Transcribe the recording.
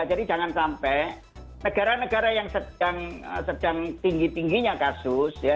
jadi jangan sampai negara negara yang sedang tinggi tingginya kasus ya